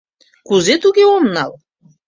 — Кузе-туге... ом нал?